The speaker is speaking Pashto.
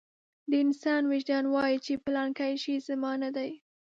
د انسان وجدان وايي چې پلانکی شی زما نه دی.